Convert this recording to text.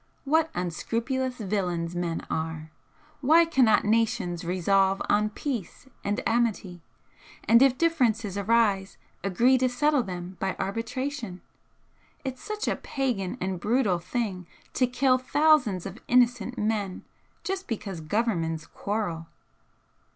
What unscrupulous villains men are! Why cannot nations resolve on peace and amity, and if differences arise agree to settle them by arbitration? It's such a pagan and brutal thing to kill thousands of innocent men just because Governments quarrel."